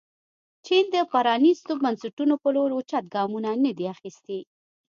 چین د پرانیستو بنسټونو په لور اوچت ګامونه نه دي اخیستي.